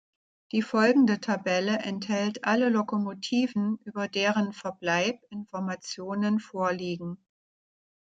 Die folgende Tabelle enthält alle Lokomotiven, über deren Verbleib Informationen vorliegen.